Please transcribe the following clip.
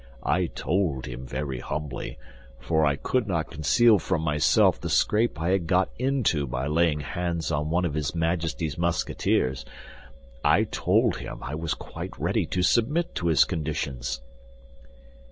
I told him very humbly—for I could not conceal from myself the scrape I had got into by laying hands on one of his Majesty's Musketeers—I told him I was quite ready to submit to his conditions.